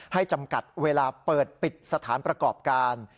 จำกัดเวลาเปิดปิดสถานประกอบการ